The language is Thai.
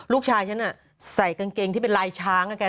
ลูกชายฉันใส่กางเกงที่เป็นลายช้างแก